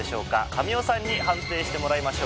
神尾さんに判定してもらいましょう。